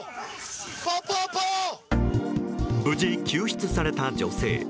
無事、救出された女性。